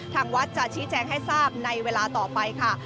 ทางวัดจะชี้แจงให้ทราบในเวลาต่อไปค่ะ